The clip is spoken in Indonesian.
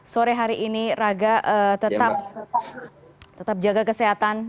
sore hari ini raga tetap jaga kesehatan